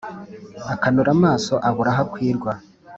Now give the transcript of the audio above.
Akanura amaso abura aho akwirwa.